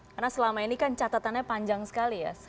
karena selama ini kan catatannya panjang sekali ya